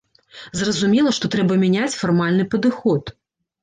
Зразумела, што трэба мяняць фармальны падыход.